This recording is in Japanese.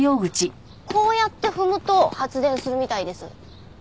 こうやって踏むと発電するみたいです。